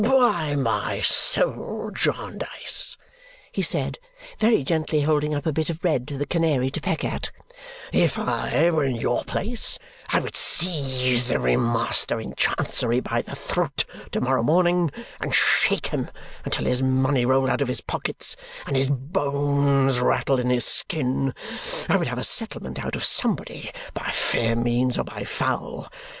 "By my soul, Jarndyce," he said, very gently holding up a bit of bread to the canary to peck at, "if I were in your place I would seize every master in Chancery by the throat to morrow morning and shake him until his money rolled out of his pockets and his bones rattled in his skin. I would have a settlement out of somebody, by fair means or by foul.